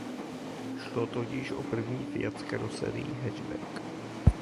Šlo totiž o první Fiat s karoserií hatchback.